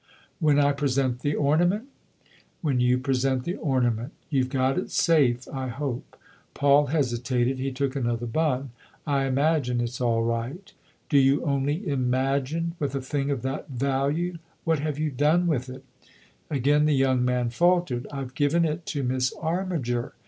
" When I present the ornament ?" "When you present the ornament* You've got it safe, I hope ?" Paul hesitated ; he took another bun; " I imagine it's all right." "Do you only ( imagine 'with a thing Of that value ? What have you done with it ?" THE OTHER HOUSE 13! Again the young man faltered. " I've given it to Miss Armiger.